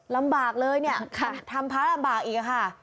ลำบากเลยเนี่ยทำพระลำบากอีกค่ะ